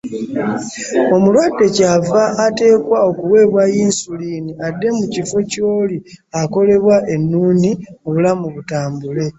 Omulwadde ky’ava ateekwa okuweebwa Yinsuliini adde mu kifo ky’oli akolebwa ennuuni, obulamu butambule.